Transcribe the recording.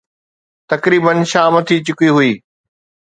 تقريباً شام ٿي چڪي هئي.